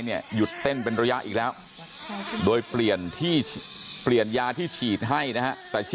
หยุดเต้นเป็นระยะอีกแล้วโดยเปลี่ยนที่เปลี่ยนยาที่ฉีดให้นะฮะแต่ชื่อ